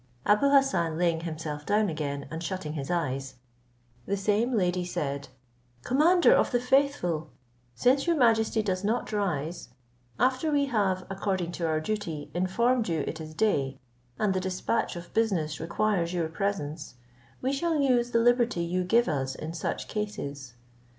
Abou Hassan laying himself down again, and shutting his eyes, the same lady said, "Commander of the faithful, since your majesty does not rise, after we have, according to our duty, informed you it is day, and the dispatch of business requires your presence, we shall use the liberty you give us in such cases."